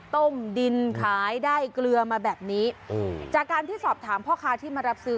ต้มดินขายได้เกลือมาแบบนี้จากการที่สอบถามพ่อค้าที่มารับซื้อ